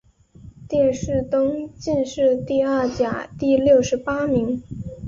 殿试登进士第二甲第六十八名。